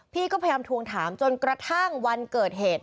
พี่ก็พยายามทวงถามจนกระทั่งวันเกิดเหตุ